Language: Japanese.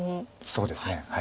そうですね。